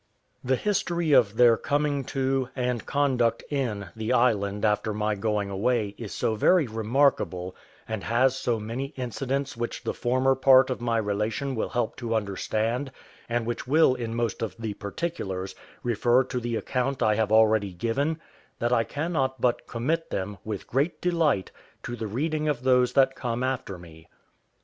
The history of their coming to, and conduct in, the island after my going away is so very remarkable, and has so many incidents which the former part of my relation will help to understand, and which will in most of the particulars, refer to the account I have already given, that I cannot but commit them, with great delight, to the reading of those that come after me.